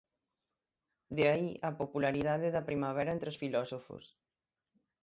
De aí a popularidade da primavera entre os filósofos.